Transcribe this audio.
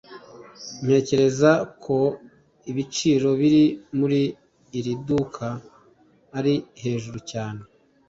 Ntekereza ko ibiciro biri muri iri duka ari hejuru cyane.